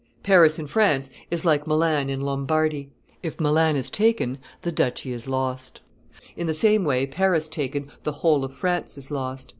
Paris in France is like Milan in Lombardy; if Milan is taken, the duchy is lost; in the same way, Paris taken, the whole of France is lost."